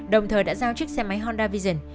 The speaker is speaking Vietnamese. đồng thời đã giao chiếc xe máy honda vision